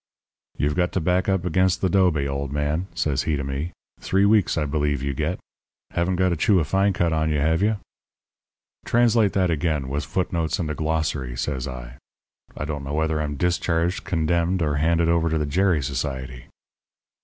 "'You've got to back up against th' 'dobe, old man,' says he to me. 'Three weeks, I believe, you get. Haven't got a chew of fine cut on you, have you?' "'Translate that again, with foot notes and a glossary,' says I. 'I don't know whether I'm discharged, condemned, or handed over to the Gerry Society.'